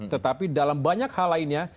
tetapi dalam banyak hal lainnya